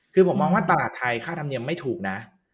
คือผมมองว่าตลาดไทยค่าธรรมเนียมไม่ถูกนะ